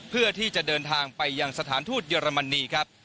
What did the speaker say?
เพื่อที่จะเดินทางไปยังสถานทูตเยอรมนีครับ